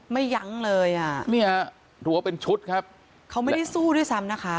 ยั้งเลยอ่ะเนี่ยรั้วเป็นชุดครับเขาไม่ได้สู้ด้วยซ้ำนะคะ